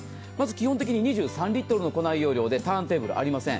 基本的に２３リットルの庫内の容量でターンテーブルありません。